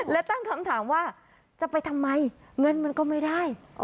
และตั้งคำถามว่าจะไปทำไมเงินมันก็ไม่ได้